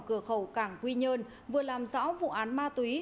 cửa khẩu cảng quy nhơn vừa làm rõ vụ án ma túy